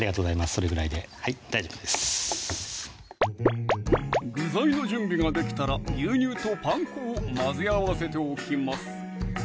それぐらいで大丈夫です具材の準備ができたら牛乳とパン粉を混ぜ合わせておきます